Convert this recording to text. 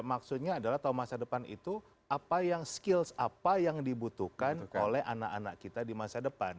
maksudnya adalah tahu masa depan itu apa yang skills apa yang dibutuhkan oleh anak anak kita di masa depan